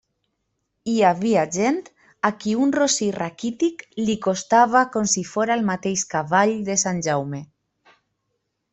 Hi havia gent a qui un rossí raquític li costava com si fóra el mateix cavall de sant Jaume.